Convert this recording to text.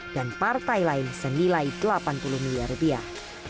dan partai lain senilai delapan puluh miliar rupiah